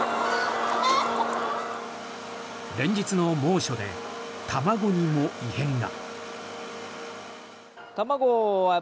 連日の猛暑で卵にも異変が。